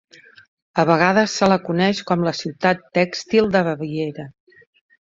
A vegades se la coneix com la "Ciutat Tèxtil de Baviera".